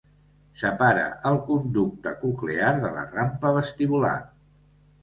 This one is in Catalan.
Separa el conducte coclear de la rampa vestibular.